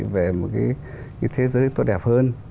về một cái thế giới tốt đẹp hơn